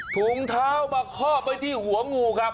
ถุงเท้ามาคอบไปที่หัวงูครับ